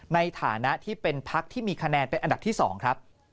ในฐานะที่เป็นพักที่มีคะแนนเป็นอันดับที่๒ครับ